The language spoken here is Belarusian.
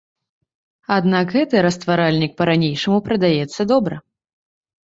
Аднак гэты растваральнік па-ранейшаму прадаецца добра.